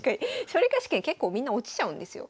奨励会試験結構みんな落ちちゃうんですよ。